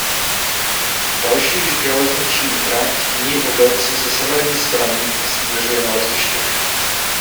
Další železniční trať míjí obec ze severní strany a směřuje na letiště.